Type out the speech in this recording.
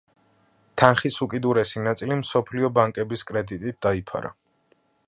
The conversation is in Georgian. თანხის უდიდესი ნაწილი მსოფლიო ბანკის კრედიტით დაიფარა.